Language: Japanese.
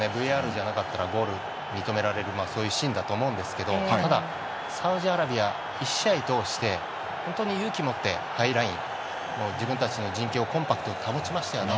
ＶＡＲじゃなかったらゴール認められるそういうシーンだと思うんですけど、ただサウジアラビア１試合通して本当に勇気をもってハイライン自分たちの陣形をコンパクトに保ちましたよね。